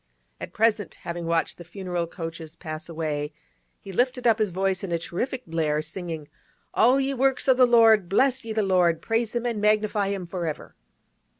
At present, having watched the funeral coaches pass away, he lifted up his voice in a terrific blare, singing, 'All ye works of the Lord, bless ye the Lord, praise Him and magnify Him for ever.